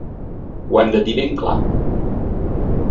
Ho hem de dir ben clar.